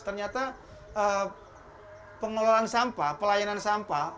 ternyata pengelolaan sampah pelayanan sampah